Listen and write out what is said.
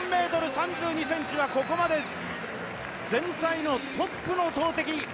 ６４ｍ３２ｃｍはここまで全体のトップの投てき！